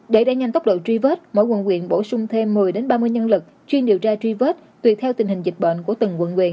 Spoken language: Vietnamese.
để đẩy nhanh tốc độ tri vết mỗi quận quyền bổ sung thêm một mươi ba mươi nhân lực chuyên điều tra tri vết tuyệt theo tình hình dịch bệnh của từng quận quyền